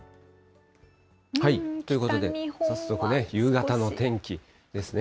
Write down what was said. ということで早速ね、夕方の天気ですね。